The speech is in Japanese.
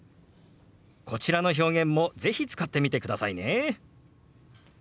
こちらの表現も是非使ってみてくださいね。